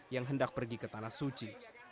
yang hendak pergi ke tanah suci